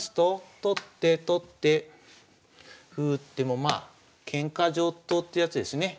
取って取って歩打ってもまあケンカ上等ってやつですね。